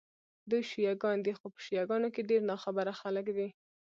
دوی شیعه ګان دي، خو په شیعه ګانو کې ډېر ناخبره خلک دي.